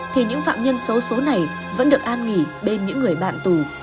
thì những phạm nhân xấu xố này vẫn được an nghỉ bên những người bạn tù